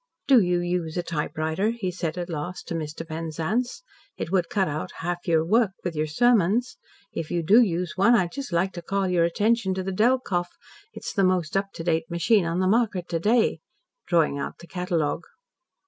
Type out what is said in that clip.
"Do you use a typewriter?" he said at last to Mr. Penzance. "It would cut out half your work with your sermons. If you do use one, I'd just like to call your attention to the Delkoff. It's the most up to date machine on the market to day," drawing out the catalogue.